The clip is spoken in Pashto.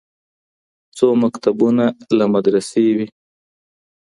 څو مکتبونه لا مدرسې وي